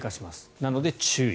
なので注意。